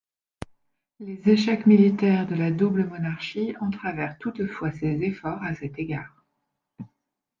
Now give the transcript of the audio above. Les échecs militaires de la double-monarchie entravèrent toutefois ses efforts à cet égard.